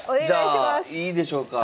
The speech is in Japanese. じゃあいいでしょうか？